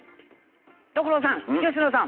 所さん佳乃さん！